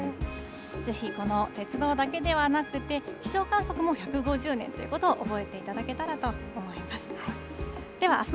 ぜひ、この鉄道だけではなくて、気象観測も１５０年ということを覚えていただけたらと思います。